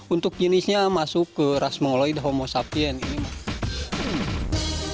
untuk jenisnya masuk ke ras mungoloid homo sapiens